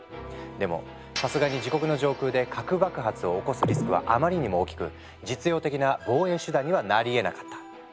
でもさすがに自国の上空で核爆発を起こすリスクはあまりにも大きく実用的な防衛手段にはなり得なかった。